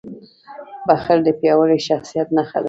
• بښل د پیاوړي شخصیت نښه ده.